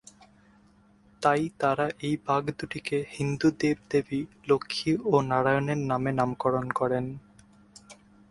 তাই তারা এই বাঘ দু’টিকে হিন্দু দেব-দেবী লক্ষ্মী ও নারায়ণের নামে নামকরণ করেন।